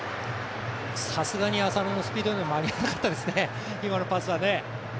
さすがに浅野のスピードでも間に合わなかったですね、今のパスはね。